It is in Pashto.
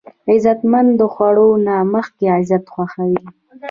غیرتمند د خوړو نه مخکې عزت خوښوي